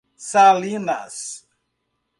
Salinas